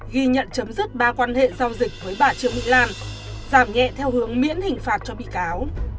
ghi nhận chấm dứt ba quan hệ giao dịch với bà trương mỹ lan giảm nhẹ theo hướng miễn hình phạt cho bị cáo